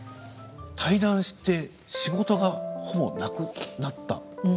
退団して仕事は、ほぼなくなった。